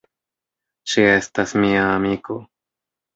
Ŝi estas mia amiko.